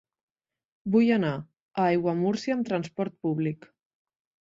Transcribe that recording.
Vull anar a Aiguamúrcia amb trasport públic.